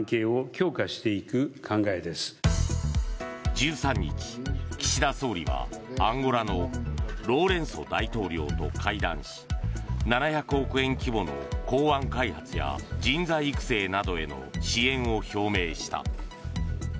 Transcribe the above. １３日、岸田総理はアンゴラのロウレンソ大統領と会談し７００億円規模の港湾開発や人材育成などへの支援を表明した。